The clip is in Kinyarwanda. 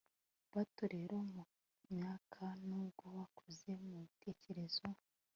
bato rero mumyaka, nubwo bakuze mubitekerezo ..